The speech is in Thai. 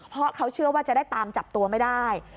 เพราะเขาเชื่อว่าจะได้ตามจับตัวไม่ได้